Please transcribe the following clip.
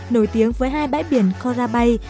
nổi tiếng với hai bãi biển korabai